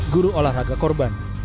guru olahraga korban